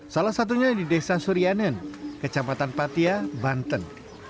salah satunya di desa surianen kecamatan patia banten